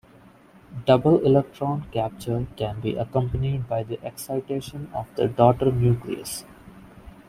Double electron capture can be accompanied by the excitation of the daughter nucleus.